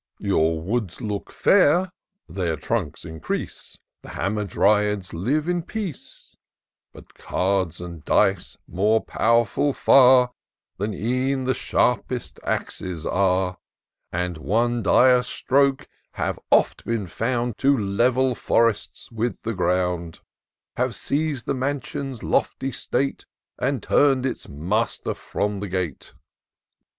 Your woods look fair — their trunks increase, The Hamadryads live in peace ; But cards and dice, more pow'rftd fer Than e'en the sharpest axes are, At one dire stroke have oft been found To level forests with the ground ; Have seiz'd the mansion's lofty state. And tum'd its master from the gate.